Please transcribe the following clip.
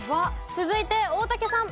続いて大竹さん。